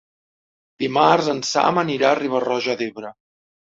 Dimarts en Sam anirà a Riba-roja d'Ebre.